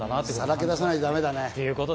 さらけ出さなきゃだめだね。